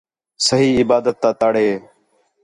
صحیح عبادت تا تَڑ ہِے